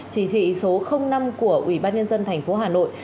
chỉ thị số năm của ủy ban nhân dân tp hà nội